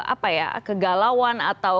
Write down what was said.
apa ya kegalauan atau